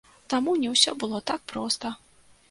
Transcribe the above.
Таму, не ўсё было так проста.